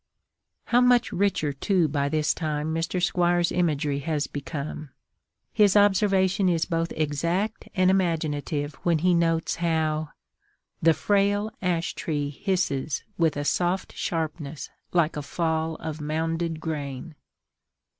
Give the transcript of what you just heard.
How much richer, too, by this time Mr. Squire's imagery has become! His observation is both exact and imaginative when he notes how the frail ash tree hisses With a soft sharpness like a fall of mounded grain.